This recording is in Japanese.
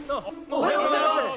おはようございます！